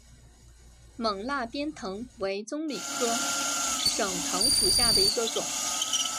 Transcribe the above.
勐腊鞭藤为棕榈科省藤属下的一个种。